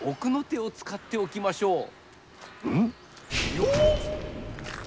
よっ！